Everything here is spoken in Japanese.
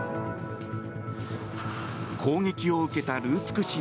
攻撃を受けたルーツク